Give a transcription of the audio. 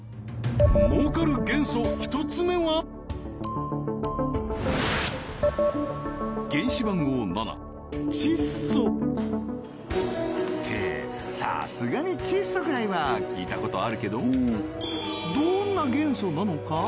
儲かる元素１つ目は原子番号７窒素ってさすがに窒素ぐらいは聞いたことあるけどどんな元素なのか？